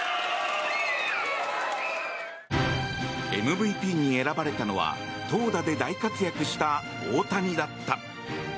ＭＶＰに選ばれたのは投打で大活躍した大谷だった。